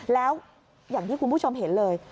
แล้วอย่างที่คุณผู้ชมเห็นเลย